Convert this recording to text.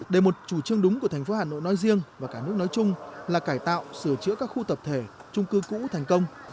để một chủ trương đúng của thành phố hà nội nói riêng và cả nước nói chung là cải tạo sửa chữa các khu tập thể trung cư cũ thành công